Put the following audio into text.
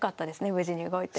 無事に動いて。